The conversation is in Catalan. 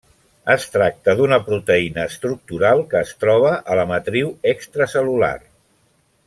Es tracta d'una proteïna estructural que es troba a la matriu extracel·lular.